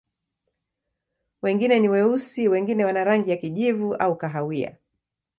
Wengine ni weusi, wengine wana rangi ya kijivu au kahawia.